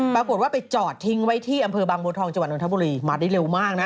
ปรากฏว่าไปจอดทิ้งไว้ที่อำเภอบางบัวทองจังหวัดนทบุรีมาได้เร็วมากนะ